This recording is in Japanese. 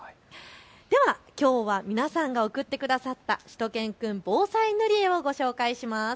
ではきょうは皆さんが送ってくださったしゅと犬くん防災塗り絵をご紹介していきます。